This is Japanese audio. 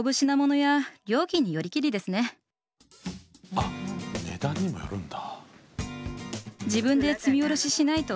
あっ値段にもよるんだ。